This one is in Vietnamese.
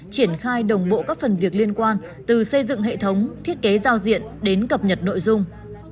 triển khai đồng bộ các phần việc liên quan từ xây dựng hệ thống thiết kế giao diện đến cập nhật nội dung